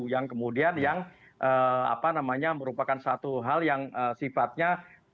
yang kemudian yang merupakan satu hal yang sifatnya